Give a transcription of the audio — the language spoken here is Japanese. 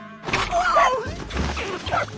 ああ！